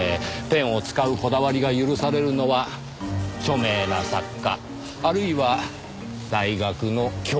ペンを使うこだわりが許されるのは著名な作家あるいは大学の教授。